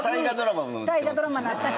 大河ドラマなったし。